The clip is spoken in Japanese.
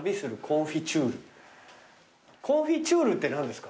コンフィチュールって何ですか？